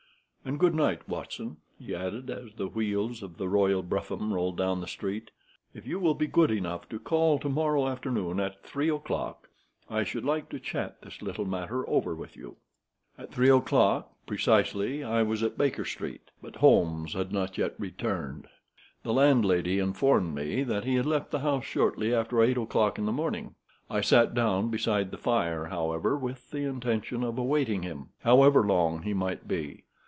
And good night, Watson," he added, as the wheels of the royal brougham rolled down the street. "If you will be good enough to call to morrow afternoon, at three o'clock, I should like to chat this little matter over with you." II At three o'clock precisely I was at Baker Street, but Holmes had not yet returned. The landlady informed me that he had left the house shortly after eight o'clock in the morning. I sat down beside the fire, however, with the intention of awaiting him, however long he might be.